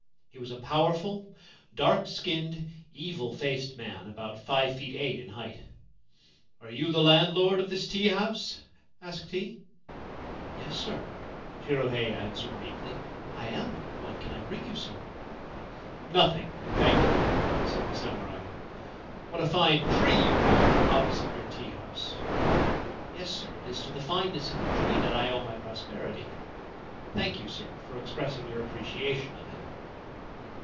He was a powerful, dark skinned, evil faced man about five feet eight in height. ' Are you the landlord of this tea house ?* asked he. ' Yes, sir/ Jirohei answered meekly :' I am. What can I bring you, sir ?'' Nothing : I thank you/ said the samurai. c What a fine tree you have here opposite your tea house !'' Yes, sir : it is to the fineness of the tree that I owe my prosperity. Thank you, sir, for expressing your apprecia tion of it.'